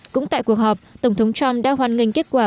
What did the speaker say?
cũng tại cuộc họp tổng thống trump đã hoan nghênh kết quả